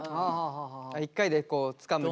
１回でつかむ量。